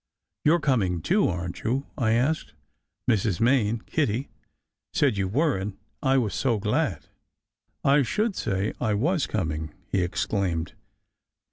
"You re coming, too, aren t you?" I asked. "Mrs. Main Kitty said you were, and I was so glad." "I should say I was coming!" he exclaimed.